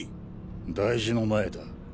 大事の前だ。